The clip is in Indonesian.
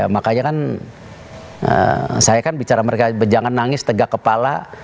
makanya kan saya kan bicara mereka jangan nangis tegak kepala